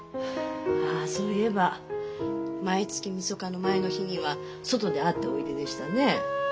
ああそういえば毎月みそかの前の日には外で会っておいででしたね。